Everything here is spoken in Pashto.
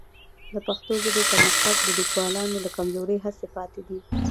د پښتو ژبې پرمختګ د لیکوالانو له کمزورې هڅې پاتې دی.